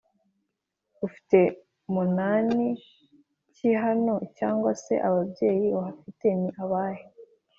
«Ufite munani ki hano, cyangwa se ababyeyi uhafite ni abahe,